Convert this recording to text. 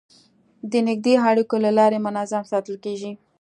د نږدې اړیکو له لارې نظم ساتل کېږي.